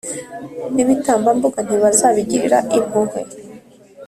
n’ibitambambuga ntibazabigirira impuhwe.